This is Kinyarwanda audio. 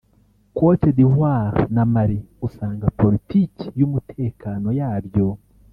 Côte d’Ivoire na Mali usanga politiki y’umutekano yabyo